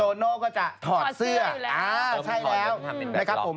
โน่ก็จะถอดเสื้อใช่แล้วนะครับผม